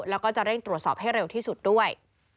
แล้วก็จะเร่งตรวจสอบให้เร็วที่สุดด้วย